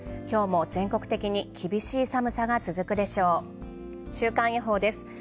きょうも全国的に厳しい寒さが続くでしょう、週間予報です。